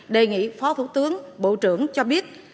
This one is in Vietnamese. đề nghị phó thủ tướng bộ trưởng cho biết